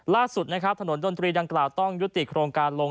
ล่าสุดนะครับถนนดนตรีดังกล่าวต้องยุติโครงการลง